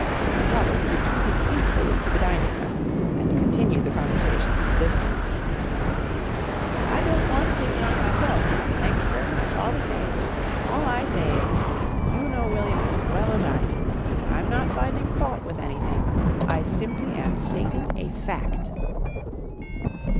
Robert retreated hastily to the dining room and continued the conversation from a distance. "I don't want to take him out myself thanks very much, all the same! All I say is you know William as well as I do. I'm not finding fault with anything. I simply am stating a fact."